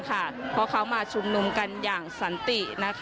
เพราะเขามาชุมนุมกันอย่างสันติ